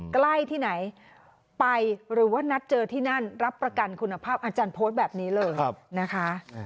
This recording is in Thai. ใกล้ที่ไหนไปหรือว่านัดเจอที่นั่นรับประกันคุณภาพอาจารย์โพสต์แบบนี้เลยนะคะ